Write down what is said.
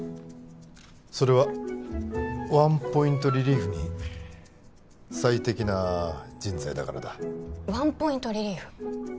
それはワンポイントリリーフに最適な人材だからだワンポイントリリーフ